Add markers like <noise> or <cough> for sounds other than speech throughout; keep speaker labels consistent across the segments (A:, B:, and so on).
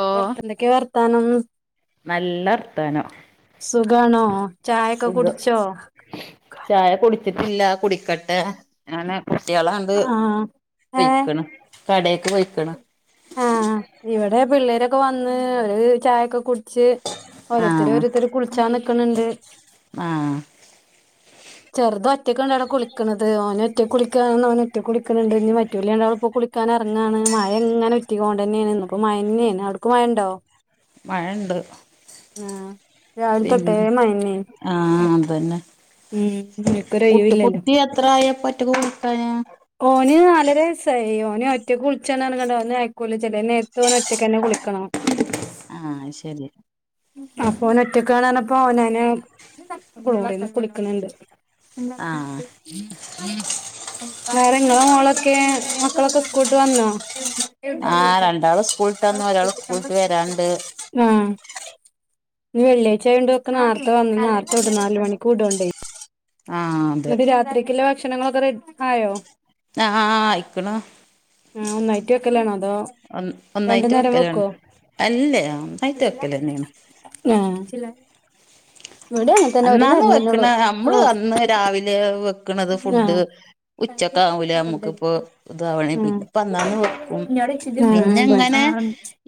A: ഓ
B: വർത്ത എന്തൊക്കെ വർത്താനം
A: നല്ല വർത്താനം
B: സുഖാണോ? ചായൊക്കെ
A: സുഖം
B: കുടിച്ചോ?
A: ചായ കുടിച്ചിട്ടില്ലാ കുടി ക്കട്ടെ. ഞാന് കുട്യാളാണ്ട്
B: ആഹ് ഏഹ്
A: പൊയ്ക്ക്ണ്. കടേക്ക് പൊയ്ക്ക്ണ്
B: ആഹ് ഇവിടെ പിള്ളേരൊക്കെ വന്ന് ഒരു ചായൊക്കെ കുടിച്ച്
A: ആഹ്
B: ഓരോര്ത്തരോര്ത്തര് കുളിച്ചാ നിക്ക് ണ് ണ്ട്
A: ആഹ്
B: ചെറുതൊറ്റക്കിണ്ടവിടെ കുളി ക്കണത് ഓന് ഒറ്റ കുളിക്കാൻ നിന്നാ അവനൊറ്റ കുളിക്കണ് ണ്ട് ഇനി മറ്റൂല്ല്യാണ്ടവളിപ്പോ കുളിക്കാ അങ്ങാണ്. മഴങ്ങനെ ഉറ്റിക്കോണ്ടെന്നേണ്. ന്ന്പ്പ മഴന്നേണ്. ഔട്ക്ക് മഴണ്ടോ?
A: മഴ ണ്ട്
B: ആഹ് രാവിലെ തൊട്ടേ
A: പിന്നെ
B: മഴന്നെയാണ്
A: ആഹ് അതന്നെ
B: ഉം എനിക്കൊരു
A: കുട്ട്
B: ഒഴിവില്ലല്ലോ
A: കുട്ടി എത്രായപ്പൊറ്റക്ക് കു <inaudible>
B: ഓന് നാലെര വയസായി ഓന് ഒറ്റക്ക് കുൾച്ചാണ് അർഞ്കാണ്ട് ഓന് അയ്ക്കൂല ചേലെ നേരത്ത് ഓന് ഒറ്റക്കന്നെ കുളിക്കണം.
A: ആഹ് അയ് ശെരി.
B: അപ്പോനൊറ്റക്കാണ് അർഞ്ഞപ്പൊ നാന് കുളിമുറിന്ന് കുളിക്ക്ണ്‌ണ്ട്. എന്ത.
A: ആഹ്
B: <unintelligible> വേറെങ്ങളെ മോളൊക്കെ മക്കളൊക്കെ സ്കൂട്ട് വന്നോ?
A: ആ രണ്ടാള് സ്കൂള്ട്ടന്നു ഒരാള് സ്കൂളിട്ട് വരാണ്ട്.
B: ആഹ് ഇന്ന് വെള്ള്യായ്ചായൊണ്ട് ഒക്കെ നാർത്ത വന്ന് നാർത്തെ വ്ടും നാല് മണിക്ക് വിടോണ്ടേ.
A: ആഹ് തെ.
B: രാത്രിക്ക്ള്ള ‌ ഭക്ഷണങ്ങളൊക്കെ റെ ആയോ?
A: ആ ആ ആയിക്ക്ണു.
B: ആ ഒന്നായിട്ട് വെക്കലേണോ അതോ രണ്ട്
A: ഒന്നായിട്ട്
B: നേരം
A: വെക്കലാണ്
B: വെക്കോ?
A: അല്ലേ ഒന്നായിട്ട് വെക്കലാന്നെയാണ്.
B: ഞാൻ ചില
A: അന്നാന്ന് വെക്ക്ണ
B: തന്നെള്ളൂ
A: അമ്മള്
B: ആഹ്
A: അന്ന് രാവിലെ വെ ക്ക്ണത് ‌
B: ആഹ് ആഹ്
A: ഫുഡ് ഉച്ചക്കാവൂല നമ്മുക്ക്പ്പെ ഇതാവണ
B: ആഹ്
A: പിന്നെന്നാന്ന് വെ ക്കും പിന്നെ
B: ഇവിടെ
A: ഇങ്ങനെ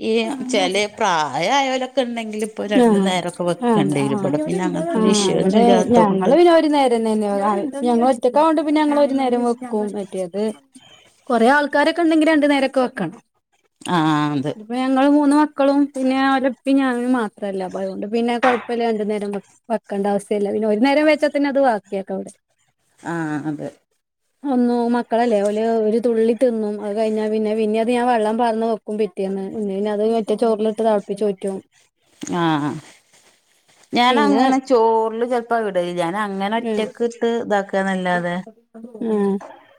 A: ഈ ചെലെ പ്രായയലൊ ക്കണ്ടങ്കില് ഇപ്പ രണ്ട്
B: ആഹ്
A: നേരക്കെ
B: ആഹ്
A: വെക്കണ്ടെരും
B: ആഹ് ആഹ്
A: ഇവ്ടെ പിന്നെ അങ്ങന് ത്തെ വിഷയന്നുല്ലാത്ത കൊണ്ട്.
B: തെന്നേന്യോ അ ഞങ്ങള് ഒറ്റക്കാഒണ്ട് പിന്നെ ഞങ്ങളൊര്നേരം വെക്കും മറ്റേത്. കൊറേ ആൾക്കാരൊക്കെ ണ്ടെങ്കി രണ്ട് നേരക്കെവക്കണം.
A: ആ ആ അത്
B: അപ്പ ഞങ്ങള് മൂന്ന് മക്കളും പിന്നെ ഓല ഇപ്പിം ഞനും മാ <unintelligible> അയോണ്ട് പിന്നെ കൊഴപ്പല്ല രണ്ട് നേരംവെ ആക്കണ്ട അവസ്ഥയില്ല പിന്നെ ഒര് നേരം വച്ചാതന്നെ അത് വാക്കിയക്ക ഇവ്ടെ
A: ആ അതെ.
B: ഒന്നു മക്കളല്ലേ ഓല് ഒര് തുള്ളി തിന്നും അത് കഴിഞ്ഞാ പിന്നെ പിന്നെ അത് ഞാൻ വെള്ളം പാർന്ന് വെ ക്കും പിറ്റേന്ന് പിന്നെ പിന്ന അത് മറ്റെ ചോറിലിട്ട് തെളപ്പിച്ച് ഊറ്റും.
A: ആഹ് അ ഞാന്
B: പിന്നെ
A: അങ്ങനെ ചോറില് ചെ പ്പ ഇടലില്ല ഞാൻ അങ്ങനെ ഒറ്റക്ക് ഇട്ട്താക്കാന്നല്ലാതെ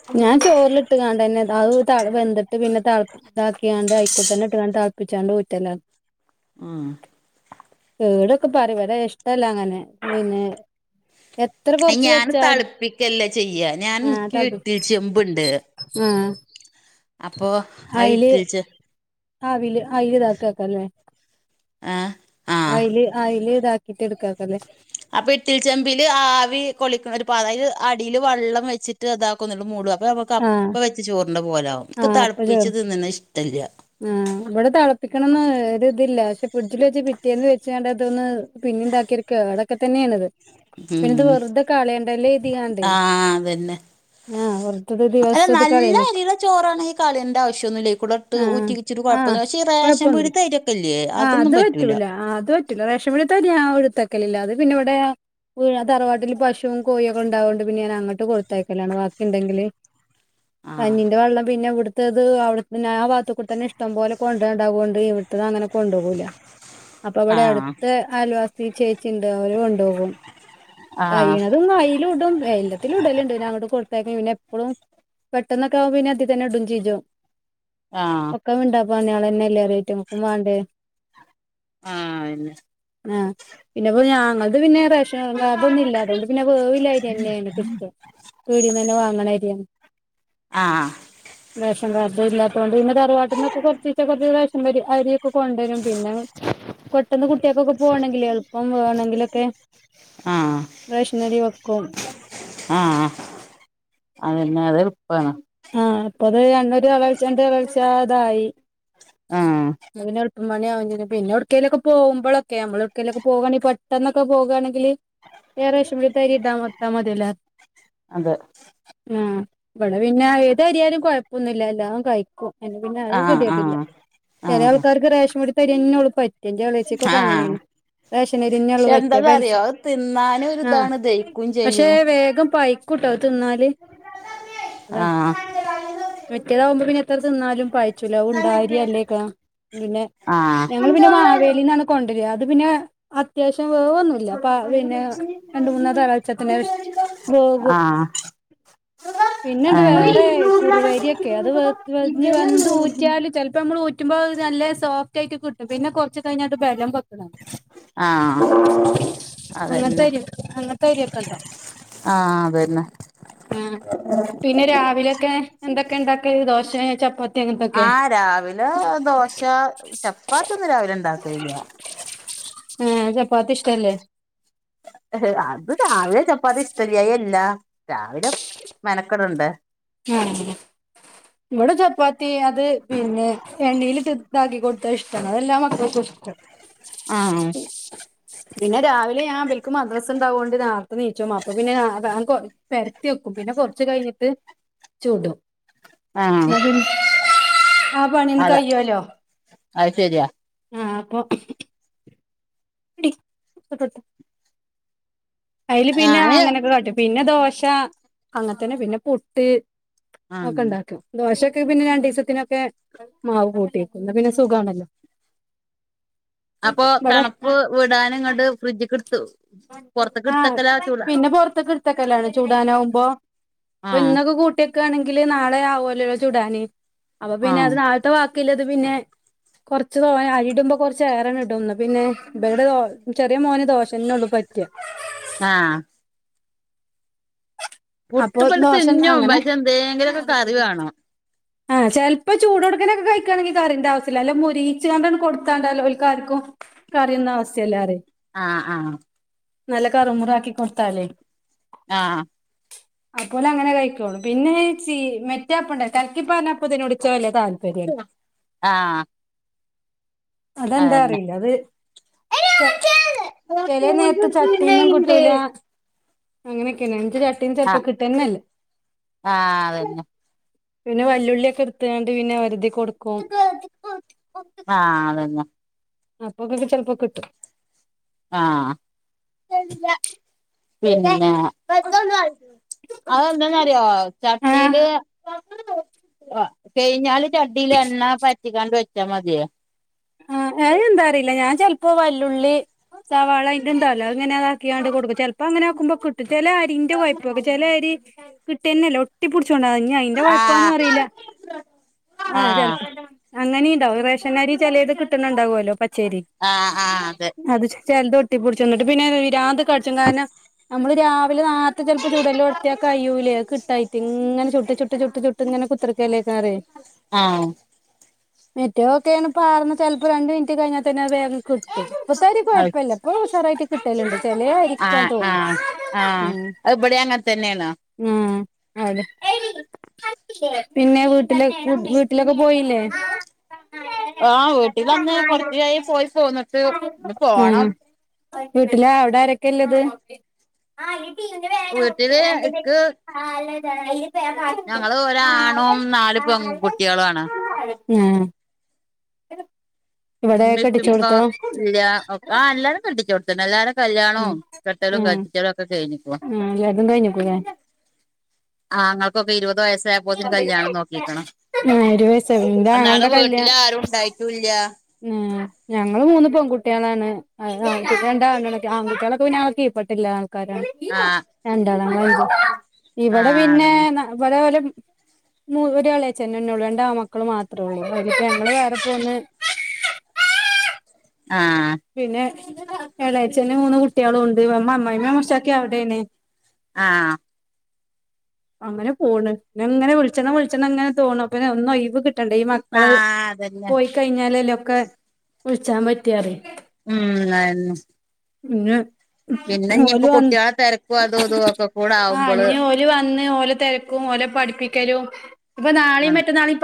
B: ആ ഞാൻ ചോറിലിട്ട് കാണ്ട്ന്നെ അത് തെള വെന്തിട്ട് പിന്നെ തെ ഇതാക്കിങ്ങാണ്ട് അയ്ക്കൂട്ത്തെന്നെ ഇട്ട്ങ്ങാണ്ട് തളപ്പിച്ചാണ്ടൂറ്റലാ
A: ആഹ്
B: കേടൊക്കെ പറയും ഇവ്ടെ ഇഷ്ട്ടല്ല അങ്ങനെ പിന്നെ എത്ര കൊറച്ച്
A: ഞാൻ
B: വെച്ചാൽ
A: തെളപ്പിക്കല്ല ചെയ്യ. ഞാൻ ക്ക് ഇട്ട്ലി ചെമ്പ്ണ്ട്.
B: ആ
A: അപ്പൊ ആ ഇട്ട്ചെ
B: ആവില് ആയില് ഇതാക്കാക്കല്ലേ.
A: ആ
B: അയ്ല്, അയ്ല് ഇതാക്കിട്ട് എടുക്കാക്കല്ലേ.
A: അപ്പ ഇട്ടിലി ചെമ്പില് ആവി കൊളിക്ക ഒര് പാകം അയിന്റെ അടില് വെള്ളം വെച്ചിട്ട് അതാക്ക്‌ന്നെള്ളൂ മൂട് അപ്പ
B: ആഹ്
A: കപ്പ വെച്ച് ചോറിന്റെ പോലാവും ക്ക് തെളപ്പിച്ച് തിന്നണെ ഇഷ്ട്ടല്ല.
B: ആ ഇവ്ടെ തെളപ്പിക്കണംന്ന് ഒര് ഇതില്ല പഷേ ഫ്രിഡ്ജിൽ വെച്ച് പിറ്റേന്ന് വെച്ചകാണ്ട് അതൊന്ന് പിന്നെ ഇതാക്കി കേടൊക്കെ തന്നെയാണത്. പിന്നെത്
A: ഉം
B: വെറ്ദേ കളയണ്ടല്ലേ കര്തികാണ്ട്
A: ആഹ് അതന്നെ
B: ആഹ് വെറ്
A: അല്ല നല്ല അരിടെ ചോറാണ് ഈ കളയണ്ട ആവശ്യഒന്നുല്ല അയ്
B: ആഹ്
A: കൂടെട്ട്ഊറ്റിച്ചിട്ട്
B: ആഹ്
A: കൊഴപ്പന്നുല്ല പഷേ ഈ റേഷൻ
B: കൊഴപ്പൊന്നുല്ല.
A: പീടിത്തെ <unintelligible>
B: ആഹ് അത് പറ്റൂല, ആ അത് പറ്റൂല റേഷൻ പീടിത്തെ അരി ഞാൻ ട്ത്ത്ക്കലില്ല അത് പിന്നെ ഇവ്ടെ വീണ തറവാട്ടില് പശും കോയിയൊക്കെ ഉണ്ടാവൊണ്ട് പിന്നെ ഞാൻ അങ്ങട്ട് കൊട്ത്തയക്കലാണ് ബാക്കി ണ്ടെങ്കില്.
A: <inaudible>
B: കഞ്ഞിന്റെ വള്ളം പിന്നെ ഇവ്ട് ത്തത് അവ്ടുന്നെ ആ ഭാഗത്തൂടെ തന്നെ ഇഷ്ട്ടം പോലെ കൊണ്ട്രാൻ ഉണ്ടാവോണ്ട് ഇവ്ട്ത്തെതഅങ്ങനെ കൊണ്ടോവൂല. അപ്പൊ ഇവിടെ
A: ആഹ്
B: അടുത്തെ അയൽ വാസി. ചേച്ചിണ്ട് അവര് കൊണ്ടോകും കയിണതും അയിലു ഇടും എല്ല തി ലു ഇടലുണ്ട് പിന്നെ അങ്ങട്ട് കൊടുത്തേക്കും പിന്നെ എപ്പളും. പെട്ടെന്നൊക്കാവുമ്പ പിന്നെ ഇത് തന്നെ ഇടും ചെയ്യും.
A: ആ
B: <unintelligible> ഞമ്മക്കുംവാണ്ടേ?
A: ആ അയന്നെ.
B: ആ പിന്നെപ്പോ ഞാ ഞങ്ങളത് പിന്നെ റേ അതൊന്നുല്ല
A: അതന്നെ
B: അതുകൊണ്ട് പിന്നെ വേവിലരിയെ ന്നേണ് കിട്ട പീടിന്നന്നെ വാങ്ങണ അരിയാണ്
A: ആ ആ
B: റേഷൻ കാർഡ് ഇല്ലാത്തോണ്ട് പിന്നെ തറുവാട്ട്ന്നൊക്കെ കൊറച്ചിച്ചെ കൊറച്ചിച്ചെ റേഷനരി. കൊണ്ടരും പിന്നെ പെട്ടെന്ന് കുട്ടിയാക്കൊക്കെ പോണെങ്കിൽ എളുപ്പം വേഗണെങ്കിലൊക്കെ.
A: ആഹ
B: റേഷനരി വെക്കും.
A: ആഹ അതനെ അതെ ളുപ്പാണ്.
B: ആഹ അപ്പൊ അത് <unintelligible> തളച്ചാഅതായി <unintelligible>
A: ആഹ്
B: <unintelligible> പിന്നെ എടു േക്കലൊക്കെ പോവുമ്പോളക്കെ നമ്മൾ എടുകേലൊക്കെ പോവാണെങ്കില് പെട്ടന്നൊക്കെ പോകാണെങ്കില്. വേ റേഷൻപിടിത്ത അരി ഇട്ട <unintelligible>
A: അതെ.
B: ആ പിന്നെ ഏത് അരിയാലും കുഴപ്പൊന്നുല്ല എല്ലാം കഴിക്കും.
A: ആഹ് ആഹ്
B: <unintelligible> ചെല
A: ആഹ്
B: ആൾക്കാർക്ക് റേഷൻ പീടിത്തെ അരിയെന്നൊ ള്ളു പറ്റാ. ഇന്റെ എളേച്ചി കൊക്കെ അങ്ങനെ
A: ആഹ്
B: ണ്. റേഷനരിയെന്നൊ ള്ളു
A: പക്ഷെ
B: വെക്ക
A: എന്താന്ന്
B: വെൽ
A: അറിയോ അത് തിന്നാനും
B: ആ
A: ഒരിതാണ് ദഹിക്കും
B: പക്ഷേ
A: ചെയ്യും
B: വേഗം പയി <unintelligible> തിന്നാല്.
A: ആഹ
B: മറ്റേതാകുമ്പോ പിന്നെ എത്ര തിന്നാലും പയിച്ചുല ഉണ്ടായിരിയ അല്ലേക്കാരും പിന്നെ.
A: ആഹ് ആഹ്
B: ഞങ്ങൾ പിന്നെ മാവേലിന്നാണ് കൊണ്ടര അത് പിന്നെ അത്യാവശ്യം വേവൊന്നുല്ല. പ പിന്നെ രണ്ട് മൂന്നാ തളച്ചാ തന്നെ വേവും
A: ആ <unintelligible>
B: പിന്നെണ്ട് വേറെ കുറുവരിയൊക്കെ അത് വ വെന്ത് ഊറ്റിയാല് ചിലപ്പോ നമ്മൾഊ റ്റുമ്പോ അത് നല്ല സോഫ്റ്റ് ആയിട്ട് കിട്ടും പിന്നെ കുറച്ച് കഴിഞ്ഞാട് ബലം വെക്കും.
A: ആഹ് അതന്നെ
B: അങ്ങത്തരി അങ്ങനത്തരിയൊക്കെ ഉണ്ടോ?
A: ആ അതന്നെ.
B: ആഹ് പിന്നെ രാവിലൊക്കെ എന്തൊക്കെ ഇണ്ടാക്കല് ദോശേ ചപ്പ
A: ആ രാവിലെ ദോശ ചപ്പാത്തി ഒന്നും രാവിലെ ഇണ്ടാക്കലില്ല.
B: ഏ ചപ്പാത്തി ഇഷ്ടല്ലേ?
A: ഹ് അത് രാവിലെ ചപ്പാത്തി ഇഷ്ടലായി അല്ല രാവിലെ മെനക്കട ണ്ടെ.
B: ആഹ് ഇവടെ ചപ്പാത്തി അത് പിന്നെ എണ്ണീലിട്ട് ഇതാക്കി കെ ഇഷ്ടാണ്അത് എല്ലാ മക്കൾക്കു ഇഷ്ട
A: ആ
B: പിന്നെ രാവിലെ ഞാൻ ഇബൽക്ക് മദ്രസ് ഇണ്ടായോണ്ട് നേരത്തെ നീ ച്ചും അപ്പൊ പിന്നെ <unintelligible> പെരത്തി വെക്കും പിന്നെ കൊറച്ച് കഴിഞ്ഞിട്ട്. ചുടും.
A: ആഹ്
B: എന്നാ പിന്നെ ആ പണിയങ്ങട്ട്
A: അതാ
B: കയ്യോല്ലോ
A: അത് ശരിയാ
B: ആഹ അപ്പൊ. <unintelligible> അതില് പിന്നെ
A: ഞാന്
B: അങ്ങനൊക്കെ കാട്ടും പിന്നെ ദോശ അങ്ങനതെന്നെ പിന്നെ പുട്ട്.
A: ആഹ്
B: ഒക്കെ ഇണ്ടാക്കും ദോശൊക്കെ പിന്നെ രണ്ട്ദിവസത്തിനൊക്കെ മാവ് കുട്ടി വെക്കു എന്നാ പിന്നെ സുഖാണല്ലോ.
A: <inaudible> അപ്പൊ
B: ഇവിടെ
A: തണുപ്പ് വിടാനും ങ്ങണ്ട് ഫ്രിഡ്ജ കെടുത്തു
B: ആ
A: പുറത്തക്കടു
B: പിന്നെ പൊറത്തൊക്കെ എടുത്തൊക്കെല്ലാണ് ചൂടാനാവകുമ്പോ ഇപ്പൊ
A: ആഹ്
B: ഇന്നൊക്കെ കൂട്ടി ക്ക് വാണെങ്കില് നാളെ ആവൊല്ലലോ ചുടാന് അപ്പൊ പിന്നെ
A: ആഹ്
B: അത് നാളത്തെ വാക്കില്ലത് പിന്നെ കൊറച്ച് തോനെ അരി ഇടുമ്പോ കുറച്ച് ഏറെ ഇടുംന്ന് പിന്നെ ഇവടെ ചെറിയ മോന് ദോശെന്നെ ഉള്ളൂ പറ്റിയ
A: ആഹ് പുട്ട്
B: അപ്പൊ
A: വല്
B: ദോശ
A: തിന്നും
B: അങ്ങനെ
A: പക്ഷെ എന്തെങ്കിലൊക്കെ കറി വേണം
B: ആഹ് ചെലപ്പോ ചൂട്ട് കൊടുക്കക്കെ കഴിക്കുകയാണെങ്കിൽ കറിന്റെ ആവശ്യല്ല മുറിയിച്ചു കാണ്ടാണ് കൊടുത്താണ്ടല്ലോഓൽക്കും കറിയൊന്നും ആവശ്യല്ല അറിയും
A: ആഹ് ആഹ്
B: നല്ല കറുമുറു ആക്കി കൊടുത്താളേ
A: ആഹ്
B: അപ്പോലെ അങ്ങനെ കഴിക്കാെളളൂ പിന്നെ ചീ മറ്റെ അപ്പണ്ടലൊ കലക്കി പാർന്ന അപ്പത്തിനോട് ഇച്ച് അയല്ല താൽ
A: ആഹ്
B: അതെന്താ
A: അതന്നെ
B: അറിയില്യ അത്
A: ആഹ്
B: ചെലേ നേര്ത്ത് ചട്ടീന്നും കിട്ടൂലാ അങ്ങനെയൊക്കെയ ഇച്ച് ചട്ടീന്ന് ചെലപ്പോ കിട്ടുന്നല്ലേ
A: ആഹ് അതന്നെ
B: പിന്നെ വല്ലുള്ളിയെക്കെ ഇട്ത്തങ്ങാണ്ട് പിന്നെ ഒരതി കൊടുക്കും
A: ആഹ് അതന്നെ
B: ആപ്പൊക്കെപ്പം ചെലപ്പം കിട്ടും
A: ആഹ് തെരൂല പിന്നെ അതെന്താന്നറിയോ
B: ആഹ്
A: ചട്ടിയില് കഴിഞ്ഞാല് ചടിൽണ പറ്റിക്കാണ്ട് വെച്ചാ മതിയേ
B: ആഹ് അത് എന്താ അറീല്ല ഞാൻ ചെൽപ്പോ വല്ലുള്ളി ചവാളെെ ൻ ഇ ഉണ്ടല്ലോ അങ്ങനെ അതാക്കിാണ്ട് കൊടുക്കും ചിലപ്പോ അങ്ങനെ ആക്കുമ്പോ കിട്ടും ചില അരിന്റെ കുയ്പൊക്കെ ചെല അരി കിട്ടിയന്നല്ലേ ഒട്ടിപ്പടിച്ചോണ്ട ന അന്റെ കൊഴപ്പന്നും
A: ആഹ്
B: അറിയില്ല ആഹ് ചെലപ്പോ അങ്ങനെയുണ്ടാാവും റേഷനരി ചിലത് കിട്ടണണ്ടാാവുമല്ലോ പച്ചേരി
A: ആഹ് ആഹ് അതെ
B: അത് ചിലത് തിപ്പുടിചുംന്ന്ട്ട് പിന്നെ വിരാന്ത് കടിച്ച്ങ്ങാന നമ്മള് രാവിലെ നാർത്തെ ചെലപ്പോ ചുടല്ലോട്ത്തിയാക്കയൂലേ കിട്ടായിട്ട് ഇങ്ങനെ ചുട്ട് ചുട്ട് ചുട്ട് ചുട്ട് ട്ട് ഇങ്ങ്നെ കുത്തിർക്കെല്ലെെക്കാരെ
A: ആഹ്
B: മറ്റെഒക്കേണ്പാർന്ന് ചെൽപ്പോ രണ്ട് മിൻറ്റ് കയിഞ്ഞാതന്നെ അത് വേഗ കിട്ടി ഇപ്പത്താരി കുഴപ്പമില്ല ഇപ്പ ഉഷാറായിട്ട് കിട്ടലണ്ട് ചെലായിരിക്കാ
A: ആഹ്
B: തോന്നും
A: ആഹ് ആഹ്
B: ഉം
A: അത് ബടെ അങ്ങനെ തന്നെയാണോ
B: ആഹ് അവിടെ പിന്നെ വീട്ട്ല് വീട്ട് വീട്ട്ലൊക്കെ പോയിലേ ആഹ്
A: ആഹ് വീട്ടിൽന്ന് കൊറച്ചായി പോയി പോന്നിട്ട് ഇഞ്ഞി
B: ഉം
A: പോണം
B: വീട്ടില് അവിടെ ആരൊക്കെള്ളത്
A: വീട്ടില് ഇക്ക്
B: ആഹ് അല്ലേ തറാവീഹ്
A: ഞങ്ങള് ഒരാണും നാല് പെൺ കുട്ടികളുംണ്
B: ആഹ് ഇവിടെ
A: ഉമ്മേം ഉപ്പേം
B: കെട്ടിച്ചോടുത്തോ
A: ഒക്കെ ഇല്ല ആഹ് എലാരും കെട്ടിച്ചോട്ത്ത എല്ലാരെ
B: ഉം
A: കല്യാണവും കെട്ടലും
B: ഉം
A: കപ്പിച്ചലും ഒക്കെ കഴിഞ്ഞിക്ക്ണ്
B: ഉം എല്ലാതും കഴിഞ്ഞിക്കൂലേ
A: ആഹ് ഇങ്ങക്കൊക്കെ ഇരുവത് വയസ്സായപ്പോത്തിന് കല്യാണം നോ ക്കീക്ക്ണ്
B: നേരുവയസായി ഇന്റാങ്ങളെന്റെ കല്യാ
A: ആരും ഉണ്ടായിട്ടുംല്ല
B: ഉം ഞങ്ങള് മൂന്ന് പെൺകുട്ടികളാണ് അയ്ന് ആൺ കുട്ട്യാളൊക്കെ പിന്നെ കീപ്പെട്ടില്ലത്
A: ആഹ്
B: രണ്ടാള് ഇവിടെ
A: ആഹ്
B: പിന്നെ
A: അതന്നെ
B: ഓല് ഒരു എളെചെന്നന്നെള്ളൂ രണ്ട് ആൺ മക്കള് മാത്രേ ഉള്ളൂനിപ്പ ഞങ്ങള് വേറെപ്പോന്ന്
A: ആഹ്
B: പിന്നെ <unintelligible> അവിടെന്നെ
A: ആഹ്
B: അങ്ങനെ പോണ് എങ്ങനെ വിളിച്ചണം വിളിച്ചണം എങ്ങനെ തോണു പിന്നെ ഒന്ന് ഒഴിവ് കി ണ്ട് ഈ മക്കള്
A: ആഹ് അതന്നെ
B: പോയി കഴിഞ്ഞാലല്ലേ ഒക്കെ വിളിച്ചാൻ പറ്റിയ
A: ഉം ആഹ്
B: ഇന്ന
A: പിന്നെ ഇനിയിപ്പോ കുട്ടികളെ തിരക്കും അതും ഇതും ഒക്കെ കൂടെ
B: ആഹ്
A: ആകുമ്പോള്
B: ഇഞ്ഞ് വന്ന് ഓല തിരക്കും ഓല പഠിപ്പിക്കലും ഇപ്പ നാളെയും
A: ആണ്
B: മറ്റന്നാളെയും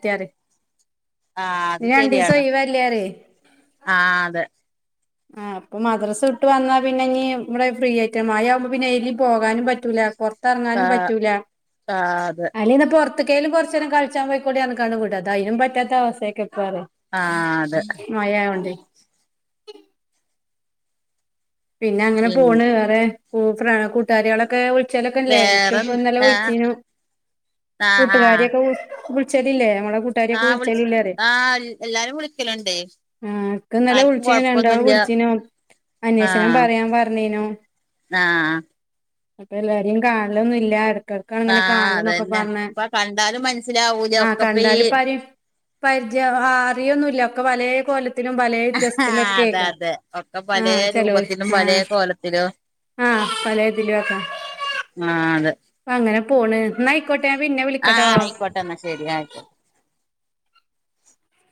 B: <unintelligible> <unintelligible>
A: ആഹ് അത്
B: രണ്ട് ദിവസ
A: ശരിയാണ്
B: ഒഴിവല്ലെറയ്
A: ആഹ് അതെ
B: ആ അപ്പ മദ്രസ വിട്ട് വന്നാ പിന്നെ ഇനി ഇവിടെ ഫ്രീ ആയിട്ട മഴയാവുമ്പ പിന്നെ ഏലേ പോകാനും പറ്റൂല പൊറ റങ്ങാനും
A: ആഹ്
B: പറ്റൂല്ല
A: ആഹ് അതെ ആഹ് അതെ
B: <unintelligible> മഴായോണ്ടേ പിന്നെ അങ്ങനെ
A: പിൻ
B: പോണ് വേറെ കൂട്ടുകാരികളൊക്കെ വിളിചലോക്കെ ഇല്ലേ ഇൻക്ക്
A: വേറെ
B: ഇന്നലെ
A: ആഹ്
B: വിൽച്ചീണു
A: ആഹ്
B: വിളിച്ചലില്ലേ നമ്മള
A: ആ വിളിച്ച് ആ എല്ലാരും വിളിക്കലുണ്ട്.
B: ഉം ഇക്ക് ഇന്നലെ
A: ആർക്കും
B: വിളിച്ചീന രണ്ടാള്
A: കൊഴപ്പൊന്നുല്ല
B: വിളിച്ചീനോ അന്വേഷണം
A: ആഹ്
B: പറയാൻ പറഞ്ഞീനു
A: ആഹ്
B: അപ്പൊ എല്ലാരേും കാണലൊന്നുല്ല ക്കാണ് ഇങ്ങനെ കാണ
A: ആഹ്
B: എന്നൊക്കെ
A: അതന്നെ
B: പറഞ്ഞ
A: ഇപ്പൊ കണ്ടാലും മനസ്സിലാവൂല
B: ആ
A: ഒക്കെപ്പ ഈ
B: കണ്ടാലിപ്പ ആരെ പരിചയം ആറിയൊന്നുല്ല ഒക്കെ പലേ കൊല ന്നും പലേ
A: ആഹ് അതെ
B: ജസ്തിനൊക്കേക്കാരം
A: അതെ ഒക്കെ പലേ രൂപത്തിലും പലേ
B: ആഹ്
A: കോലത്തിലും
B: ആഹ് പല ഇതിലും വെക്കാം.
A: ആഹ് അതെ
B: അങ്ങനെ പോണ് എന്നയിക്കോട്ടെ പിന്നെ വിളിക്കട്ടോ.
A: ആഹ് ആയിക്കോട്ടെ എന്നാ ശരി ആയിക്കോട്ടെ